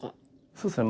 そうですね